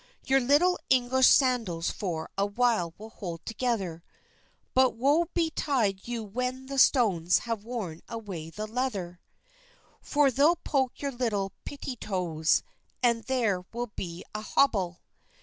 Your little English sandals for a while will hold together, But woe betide you when the stones have worn away the leather; For they'll poke your little pettitoes (and there will be a hobble!)